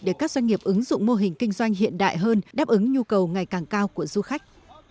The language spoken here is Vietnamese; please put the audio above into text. để các doanh nghiệp ứng dụng mô hình kinh doanh hiện đại hơn đáp ứng nhu cầu ngày càng cao của du khách